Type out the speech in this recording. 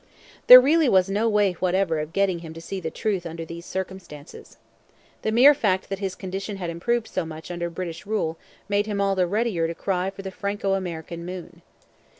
There really was no way whatever of getting him to see the truth under these circumstances. The mere fact that his condition had improved so much under British rule made him all the readier to cry for the Franco American moon.